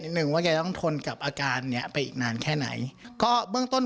หนึ่งว่าแกต้องทนกับอาการเนี้ยไปอีกนานแค่ไหนก็เบื้องต้น